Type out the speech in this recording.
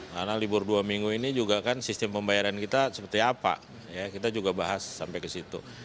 karena libur dua minggu ini juga kan sistem pembayaran kita seperti apa ya kita juga bahas sampai ke situ